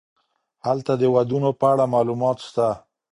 هلته د ودونو په اړه معلومات سته.